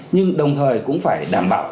nhưng đồng thời cũng phải đảm bảo